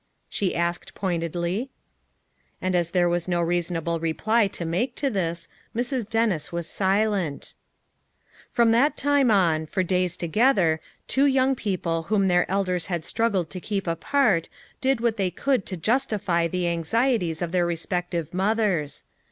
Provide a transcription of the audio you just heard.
she asked pointedly; and as there was no rea FOUR MOTHERS AT CHAUTAUQUA 75 sonable reply to make to this, Mrs. Dennis was silent From that time on, for days together, two young people whom their elders had strug gled to keep apart did what they could to justify the anxieties of their respective mothers.